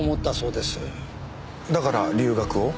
だから留学を？